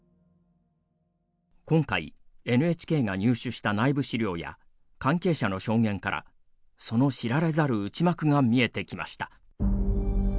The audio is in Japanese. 今回ＮＨＫが入手した内部資料や関係者の証言からその知られざる内幕が見えてきました。